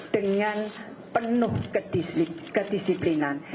dengan penuh kedisiplinan